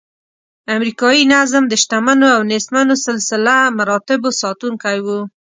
امریکایي نظم د شتمنو او نیستمنو سلسله مراتبو ساتونکی و.